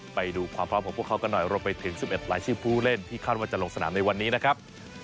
ไปดูความพร้อมของพวกเขากันหน่อยรวมไปถึง๑๑รายชื่อผู้เล่นที่คาดว่าจะลงสนามในวันนี้นะครับ